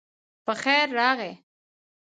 پخیر راغلی